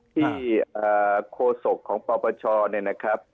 ที่โฆษกของปปชเนี่ยนะครับ